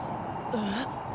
えっ？